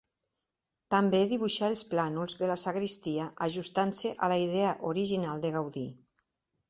També dibuixà els plànols de la sagristia ajustant-se a la idea original de Gaudí.